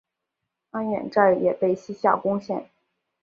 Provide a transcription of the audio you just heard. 安远寨也被西夏攻陷。